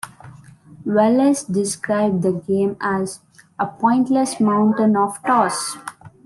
Wallace described the game as "a pointless mountain of toss".